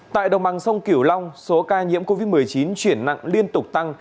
tại đồng bằng sông kiểu long số ca nhiễm covid một mươi chín chuyển nặng liên tục tăng